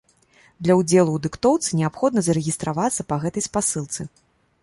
Для ўдзелу ў дыктоўцы неабходна зарэгістравацца па гэтай спасылцы.